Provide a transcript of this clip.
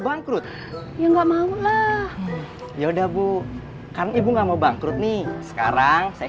bangkrut ya nggak mau lah yaudah bu kan ibu nggak mau bangkrut nih sekarang saya